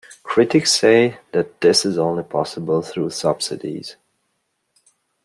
Critics say that this is only possible through subsidies.